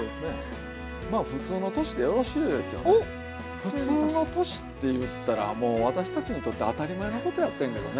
ふつうの年っていったらもう私たちにとって当たり前のことやってんけどね。